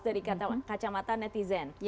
dari kacamata netizen